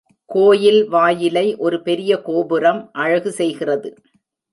கோயில் வாயிலை ஒரு பெரிய கோபுரம் அழகு செய்கிறது.